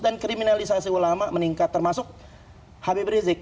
dan kriminalisasi ulama meningkat termasuk habib rizik